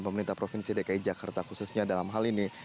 pemerintah provinsi dki jakarta khususnya dalam hal ini